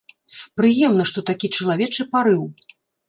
Прыемна, што такі чалавечы парыў.